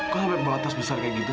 kok sampe bawa tas besar kayak gitu